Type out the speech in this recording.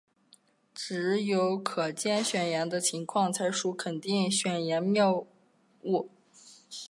只有可兼选言的情况才属肯定选言谬误。